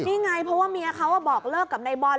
นี่ไงเพราะว่าเมียเขาบอกเลิกกับนายบอล